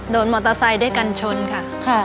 โดนมอเตอร์ไซค์ด้วยกันชนค่ะ